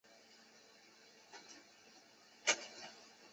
经过接近一年的治疗